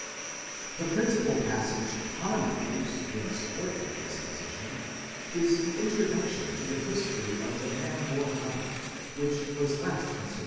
® The principal passage commonly adduced in support of this position, is the introduction to the history of the man born blind, which was last con ὃΣ Koster, Immanuel, 5.